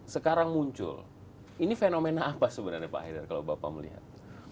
sekarang muncul ini fenomena apa sebenarnya pak haidar kalau bapak melihat